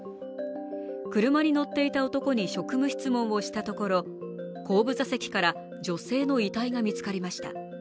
車に乗っていた男に職務質問をしたところ後部座席から女性の遺体が見つかりました。